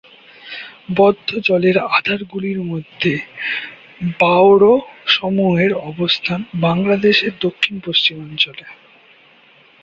বদ্ধ জলের আধারগুলির মধ্যে বাওড় সমূহের অবস্থান বাংলাদেশের দক্ষিণ পশ্চিমাঞ্চলে।